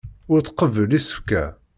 Ur tqebbel isefka.